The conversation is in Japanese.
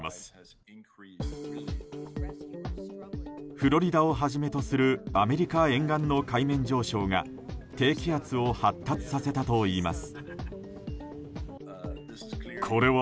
フロリダをはじめとするアメリカ沿岸の海面上昇が低気圧を発達させたといいます。